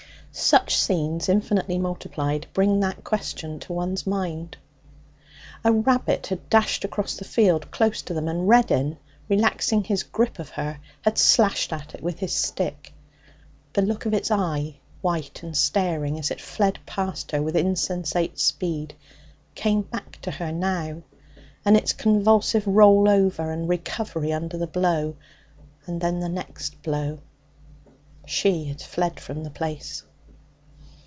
Such scenes, infinitely multiplied, bring that question to one's mind. A rabbit had dashed across the field close to them, and Reddin, relaxing his grip of her, had slashed at it with his stick. The look of its eye, white and staring, as it fled past her with insensate speed, came back to her now, and its convulsive roll over and recovery under the blow; and then the next blow She had fled from the place.